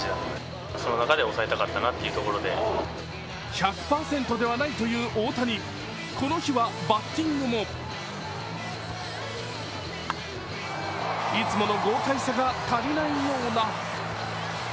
１００％ではないという大谷、この日はバッティングもいつもの豪快さが足りないような。